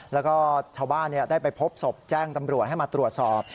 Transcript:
แล้วก็ชาวบ้านได้ไปพบศพแจ้งตำรวจให้มาตรวจสอบ